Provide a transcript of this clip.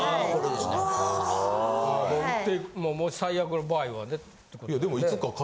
・もし最悪の場合はってことね。